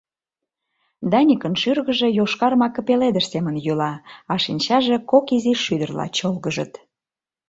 Даникын шӱргыжӧ йошкар маке пеледыш семын йӱла, а шинчаже кок изи шӱдырла чолгыжыт.